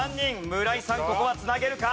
村井さんここは繋げるか？